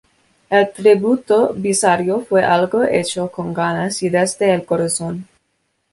El Tributo Bizarro fue algo hecho con ganas y desde el corazón".